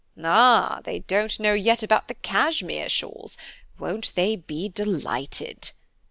"Ah, they don't know yet about the Cashmere shawls; won't they be delighted?"